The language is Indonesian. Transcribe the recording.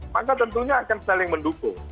maka tentunya akan saling mendukung